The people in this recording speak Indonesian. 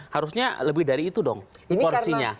harusnya lebih dari itu dong porsinya